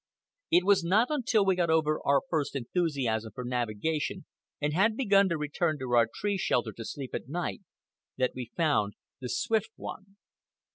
It was not until we got over our first enthusiasm for navigation and had begun to return to our tree shelter to sleep at night, that we found the Swift One.